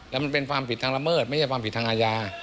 แล้วมันเป็นความผิดทางละเมิดไม่ใช่ความผิดทางอาญา